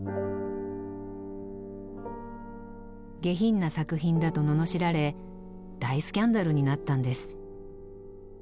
下品な作品だと罵られ大スキャンダルになったんです。